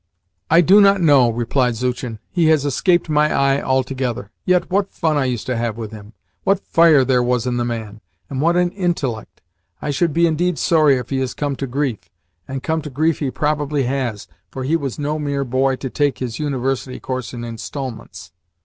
"I do not know" replied Zuchin. "He has escaped my eye altogether. Yet what fun I used to have with him! What fire there was in the man! and what an intellect! I should be indeed sorry if he has come to grief and come to grief he probably has, for he was no mere boy to take his University course in instalments."